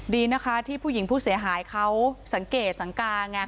ดีนะคะที่ผู้หญิงผู้เสียหายเขาสังเกตสังกาไง